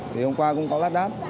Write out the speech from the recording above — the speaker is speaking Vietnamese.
thì hôm qua cũng có rát rát